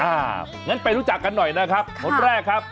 งั้นไปรู้จักกันหน่อยนะครับคนแรกครับ